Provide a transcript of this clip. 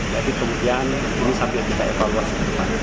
jadi kemudian ini sambil kita evaluasi